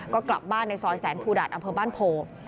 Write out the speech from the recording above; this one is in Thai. ก็กลับบ้านในซอยแสนภูดาตอำเภอบ้านโพ